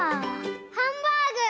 ハンバーグ！